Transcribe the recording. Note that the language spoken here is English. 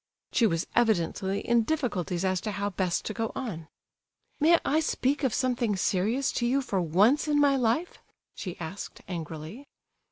She was evidently in difficulties as to how best to go on. "May I speak of something serious to you, for once in my life?" she asked, angrily.